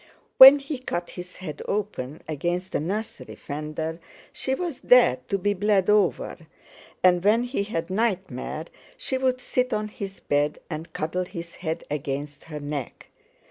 When he cut his head open against the nursery fender she was there to be bled over; and when he had nightmare she would sit on his bed and cuddle his head against her neck.